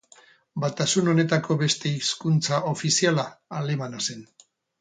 Batasun honetako beste hizkuntza ofiziala, alemana zen.